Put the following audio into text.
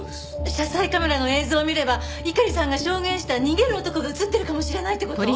車載カメラの映像を見れば猪狩さんが証言した逃げる男が映ってるかもしれないって事？